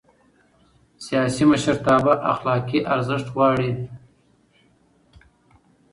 سیاسي مشرتابه اخلاقي ارزښت غواړي